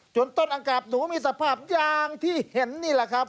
ต้นอังกาบหนูมีสภาพอย่างที่เห็นนี่แหละครับ